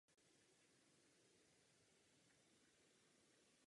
Od počátku tisíciletí zapříčinila značné ztráty zvířat postižených touto chorobou.